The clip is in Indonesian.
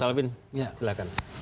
mas alvin silakan